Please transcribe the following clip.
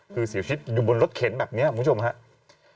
คือเสียชีวิตอยู่บนรถเข็นแบบนี้คุณผู้ชมครับ